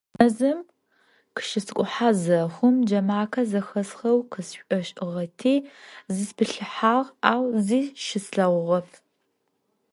Мэзым къыщыскӀухьэ зэхъум джэмакъэ зэхэсхэу къысшӀошӀыгъэти зысплъыхьагъ, ау зи щыслъэгъугъэп.